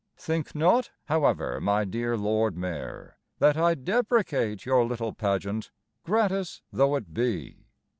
Think not, however, my dear Lord Mayor, That I deprecate your little pageant, gratis though it be.